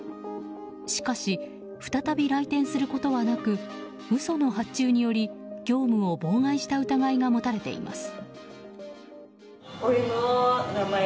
しかし、再び来店することはなく嘘の発注により業務を妨害した疑いが持たれています。